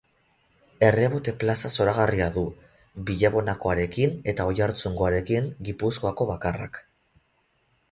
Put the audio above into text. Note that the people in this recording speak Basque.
Errebote plaza zoragarria du, Billabonakoarekin eta Oiartzungoarekin, Gipuzkoako bakarrak.